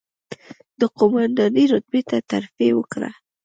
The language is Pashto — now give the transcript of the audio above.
د قوماندانۍ رتبې ته ترفېع وکړه،